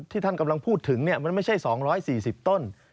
ที่ท่านกำลังพูดถึงเนี่ยมันไม่ใช่๒๔๐ต้น